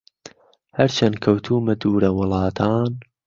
هەرچەن کەوتوومە دوورە وڵاتان